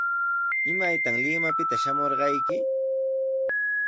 ¿Imaytaq Limapita shamurqayki?